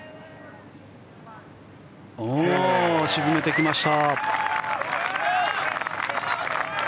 沈めてきました。